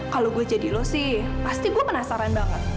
kalau gue jadi lo sih pasti gue penasaran banget